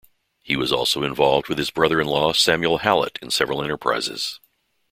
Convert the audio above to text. He was also involved with his brother-in-law Samuel Hallett, in several enterprises.